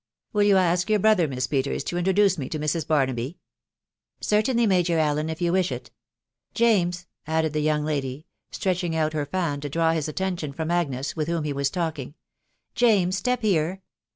'9 ' Will you ask your brother, Miss Petes, to introduce aw to Mrs. Barnaby ?" ''Certainly, Major Allen, if you wish it. ... Jame the young lady, stretching out her fan to draw his from Agnes, with whom he was talking. "James, step here.